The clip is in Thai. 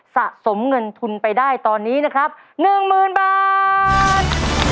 สะสมเงินทุนไปได้ตอนนี้นะครับ๑๐๐๐บาท